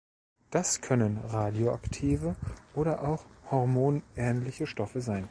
Das können radioaktive oder auch hormonähnliche Stoffe sein.